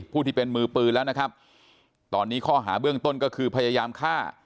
ผู้ที่เป็นมือปืนแล้วนะครับตอนนี้ข้อหาเบื้องต้นก็คือพยายามฆ่า